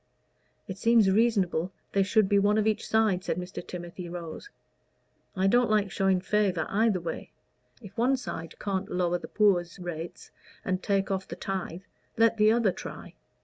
"It seems reasonable there should be one of each side," said Mr. Timothy Rose. "I don't like showing favor either way. If one side can't lower the poor's rates and take off the tithe, let the other try."